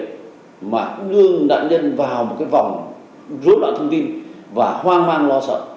để mà đưa nạn nhân vào một cái vòng rốt đoạn thông tin và hoang mang lo sợ